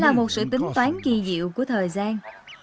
là một sự tính toán kỳ diệu của thời gian